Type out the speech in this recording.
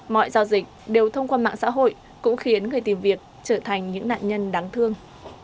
mọi giao dịch đều thông qua mạng xã hội cũng khiến người tìm việc trở thành những nạn nhân đáng thương